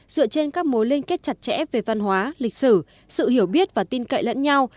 dựa trên các mối liên kết chặt chẽ về văn hóa lịch sử sự hiểu biết và tin cậy lẫn nhau